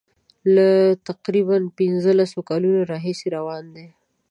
له تقریبا پنځلسو کالو راهیسي روان دي.